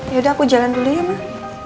yaudah aku jalan dulu ya mbak